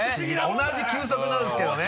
同じ球速なんですけどね。